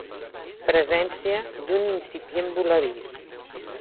Presència d'un incipient voladís.